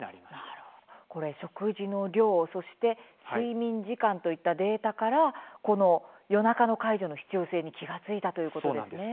食事の量、そして睡眠時間といったデータから夜中の介助の必要性に気が付いたということですね。